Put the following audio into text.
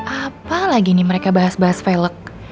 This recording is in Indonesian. apa lagi nih mereka bahas bahas velg